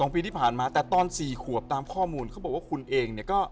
ปีที่ผ่านมาแต่ตอน๔ขวบตามข้อมูลเขาบอกว่าคุณเองเนี่ยก็